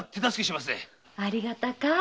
ありがたか。